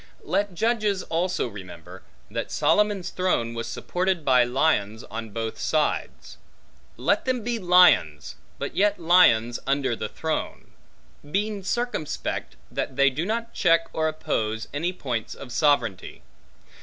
Let judges also remember, that Solomon's throne was supported by lions on both sides: let them be lions, but yet lions under the throne; being circumspect that they do not check or oppose any points of sovereignty.